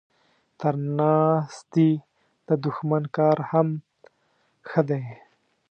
تر ناستي د دښمن کار هم ښه دی.